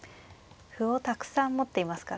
歩をたくさん持っていますからね。